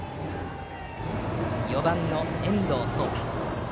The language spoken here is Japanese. ４番の遠藤蒼太。